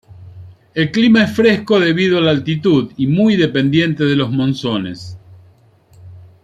El clima es fresco debido a la altitud y muy dependiente de los monzones.